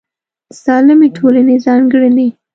د سالمې ټولنې ځانګړنې